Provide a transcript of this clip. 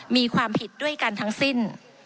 มีความผิดด้วยกันทั้งสิ้น